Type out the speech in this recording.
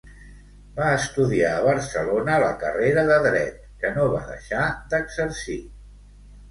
Va estudiar a Barcelona la carrera de Dret, que no va deixar d'exercir.